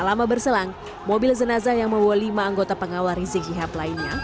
selama berselang mobil jenazah yang membawa lima anggota pengawal rizik syihab lainnya